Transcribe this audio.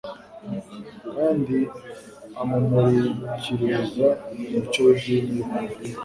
kandi amumurikishiriza umucyo w'idini y'ukuri.